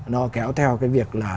nó kéo theo cái việc là